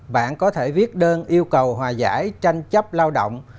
bạn có thể viết đơn yêu cầu hòa giải tranh chấp lao động